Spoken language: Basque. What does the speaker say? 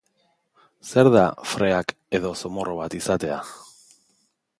Zer da freak edo zomorro bat izatea?